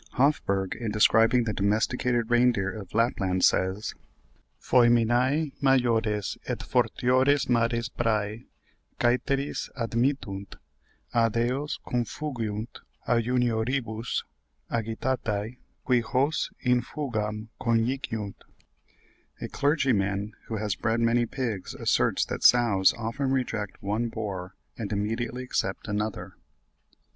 Hoffberg, in describing the domesticated reindeer of Lapland says, "Foeminae majores et fortiores mares prae caeteris admittunt, ad eos confugiunt, a junioribus agitatae, qui hos in fugam conjiciunt." (49. 'Amoenitates Acad.' vol. iv. 1788, p. 160.) A clergyman, who has bred many pigs, asserts that sows often reject one boar and immediately accept another.